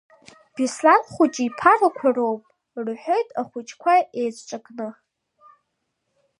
Беслан хәыҷы иԥарақәа роуп, — рҳәеит ахәыҷқәа еицҿакны.